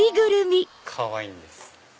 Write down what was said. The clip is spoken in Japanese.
かわいいんです。